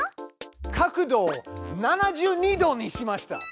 角度を７２度にしました。